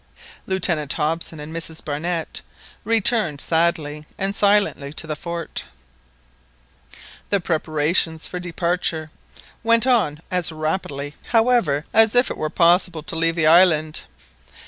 Lieutenant Hobson and Mrs Barnett returned sadly and silently to the fort. The preparations for departure went on as rapidly, however, as if it were possible to leave the island.